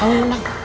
ya ampun meka